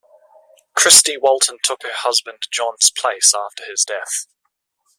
Christy Walton took her husband John's place after his death.